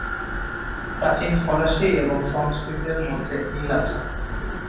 প্রাচীন ফরাসী এবং সংস্কৃতের মধ্যে মিল আছে।